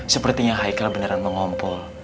sepertinya haikal beneran mengompol